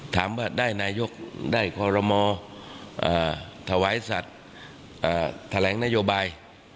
ถามว่าได้นายกได้คอรมอถวายสัตว์แถลงนโยบาย